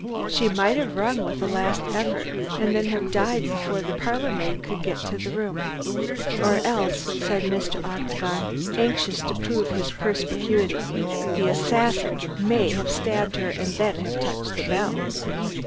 She might have rung with a last effort, and then have died before the parlor maid could get to the room." "Or else," said Mr. Octagon, anxious to prove his perspicuity, "the assassin may have stabbed her and then have touched the bell."